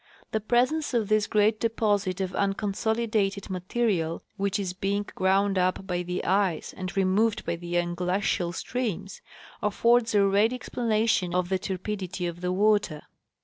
The presence of this great deposit of unconsolidated material, which is being ground up by the ice and removed by the englacial streams, affords a ready explanation of the turbidity of the water.